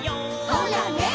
「ほらね」